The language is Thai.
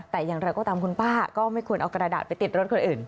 แต่อย่างไรก็ตามคุณป้าก็ไม่ควรเอากระดาษไปติดรถคนอื่น